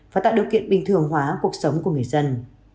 và tạo điều kiện bình thường hóa cuộc sống của người dân